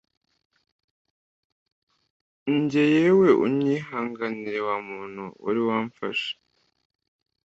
Njye yewe unyihanganire wa muntu wari wamfashe